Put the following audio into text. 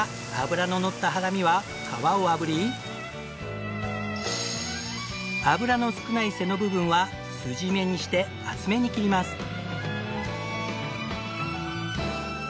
脂ののった腹身は皮を炙り脂の少ない背の部分は酢締めにして厚めに切ります。